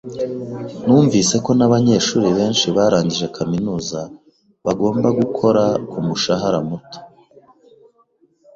Numvise ko nabanyeshuri benshi barangije kaminuza bagomba gukora kumushahara muto.